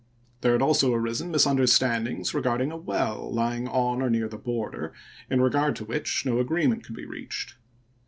There had also arisen misunderstandings regard ing a well lying on or near the border, in regard to which no agreement could be reached.